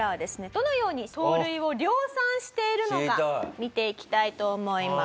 どのように盗塁を量産しているのか見ていきたいと思います。